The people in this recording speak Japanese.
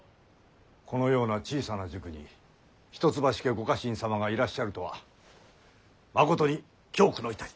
このような小さな塾に一橋家ご家臣様がいらっしゃるとはまことに恐懼の至り。